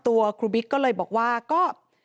ตัวครูบิ๊กก็เลยบอกว่าก็